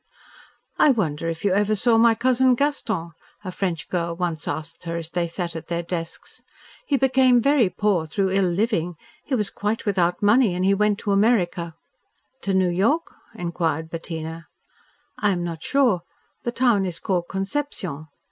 "I wonder if you ever saw my cousin Gaston," a French girl once asked her as they sat at their desks. "He became very poor through ill living. He was quite without money and he went to America." "To New York?" inquired Bettina. "I am not sure. The town is called Concepcion."